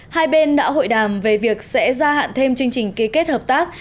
hai bên đã hội đàm về việc sẽ gia hạn thêm chương trình ký kết hợp tác